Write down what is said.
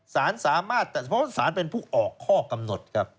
ศาลสามารถแต่เพราะว่าศาลเป็นผู้ออกข้อกำหนดครับ